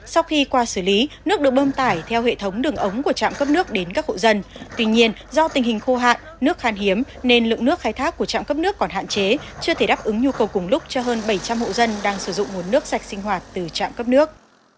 sau khi qua xử lý nước được bơm tải theo hệ thống đường ống của trạm cấp nước đến các hộ dân tuy nhiên do tình hình khô hạn nước khan hiếm nên lượng nước khai thác của trạm cấp nước còn hạn chế chưa thể đáp ứng nhu cầu cùng lúc cho hơn bảy trăm linh hộ dân đang sử dụng nguồn nước sạch sinh hoạt từ trạm cấp nước